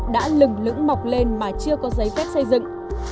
đừng lưỡng mọc lên mà chưa có giấy phép xây dựng